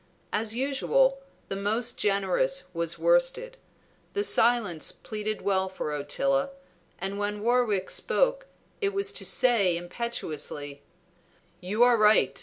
As usual, the most generous was worsted. The silence pleaded well for Ottila, and when Warwick spoke it was to say impetuously "You are right!